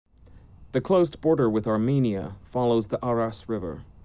The closed border with Armenia follows the Aras River.